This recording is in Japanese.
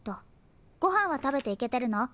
ごはんはたべていけてるの？